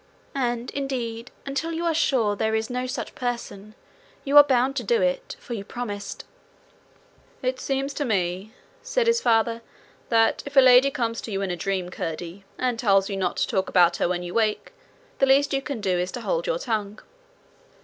And, indeed, until you are sure there is no such person, you are bound to do it, for you promised.' 'It seems to me,' said his father, 'that if a lady comes to you in a dream, Curdie, and tells you not to talk about her when you wake, the least you can do is to hold your tongue.'